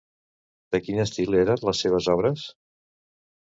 De quin estil eren les seves obres?